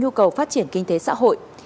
như cầu phát triển kinh tế xã hội